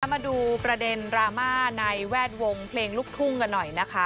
มาดูประเด็นดราม่าในแวดวงเพลงลูกทุ่งกันหน่อยนะคะ